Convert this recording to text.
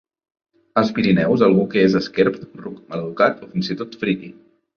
Als Pirineus, algú que és esquerp, ruc, maleducat o fins i tot friqui.